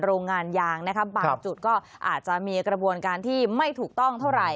โรงงานยางนะคะบางจุดก็อาจจะมีกระบวนการที่ไม่ถูกต้องเท่าไหร่